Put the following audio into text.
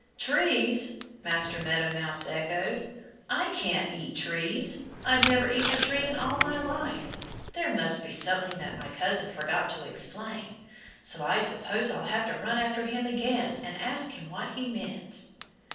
"Trees!" Master Meadow Mouse echoed. "I can't eat trees. I've never eaten a tree in all my life. There must be something that my cousin forgot to explain. So I suppose I'll have to run after him again and ask him what he meant."